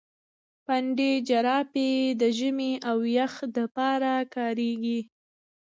پنډي جراپي د ژمي او يخ د پاره کاريږي.